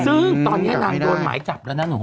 ซึ่งตอนนี้นางโดนหมายจับแล้วนะหนู